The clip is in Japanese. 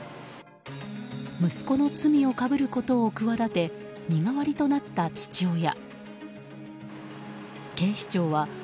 息子の罪をかぶることを企て身代わりとなった父親。